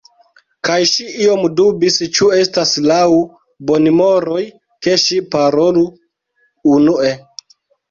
Kaj ŝi iom dubis ĉu estas laŭ bonmoroj ke ŝi parolu unue.